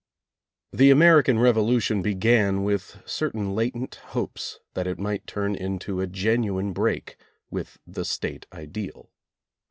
The American Revolution began with certain latent hopes that it might turn into a genuine break with the State ideal.